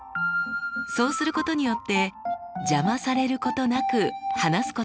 そうすることによって邪魔されることなく話すことができます。